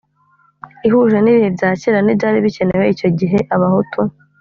ihuje n ibihe bya kera n ibyari bikenewe icyo gihe abahutu